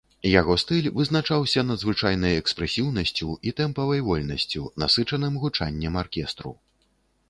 Яго стыль вызначаўся надзвычайнай экспрэсіўнасцю і тэмпавай вольнасцю, насычаным гучаннем аркестру.